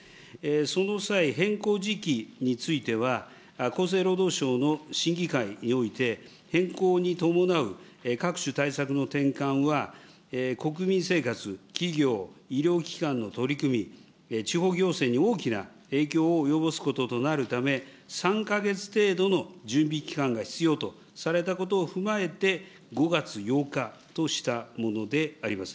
その際、変更時期については厚生労働省の審議会において、変更に伴う各種対策の転換は、国民生活、企業、医療機関の取り組み、地方行政に大きな影響を及ぼすこととなるため、３か月程度の準備期間が必要とされたことを踏まえて、５月８日としたものであります。